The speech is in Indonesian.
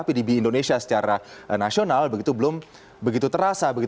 pdb indonesia secara nasional begitu belum begitu terasa